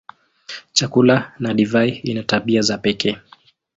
Chakula na divai ina tabia za pekee.